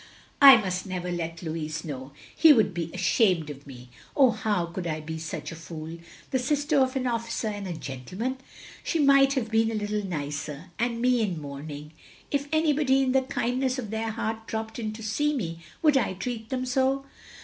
" I must never let Lotus know. He would be ashamed of me. Oh, how could I be such a fool. The sister of an officer and a gentleman! She might have been a little nicer, and me in mourning. If anybody in the kindness of their heart dropped in to see me — ^would I treat them so?